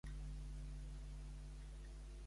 L'encuriosia la gent sana?